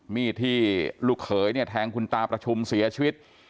มีดที่ลูกเขยเนี่ยแทงคุณตาประชุมเสียชีวิต